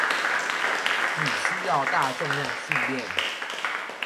你需要大重量訓練